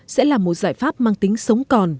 sẽ là một giải pháp mang tính sống còn